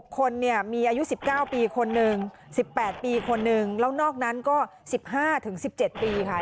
คนเนี่ยมีอายุ๑๙ปีคนหนึ่ง๑๘ปีคนนึงแล้วนอกนั้นก็๑๕๑๗ปีค่ะ